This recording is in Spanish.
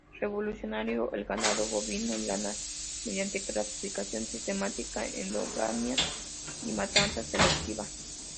Revolucionó el ganado bovino y lanar mediante clasificación sistemática, endogamia y matanza selectiva.